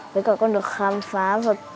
với cả con được khám phá vào